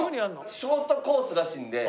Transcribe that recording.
ショートコースらしいんで。